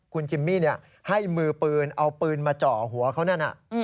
คุณจิมมี่ให้มือปืนเอาปืนมาเจาะหัวเขานั่น